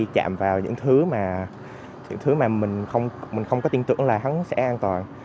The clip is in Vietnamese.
làm vào những thứ mà mình không có tin tưởng là sẽ an toàn